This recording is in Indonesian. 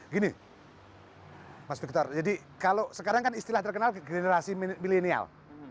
gini mas victor jadi kalau sekarang kan istilah terkenal generasi milenial